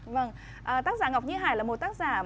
vâng tác giả ngọc như hải là một tác giả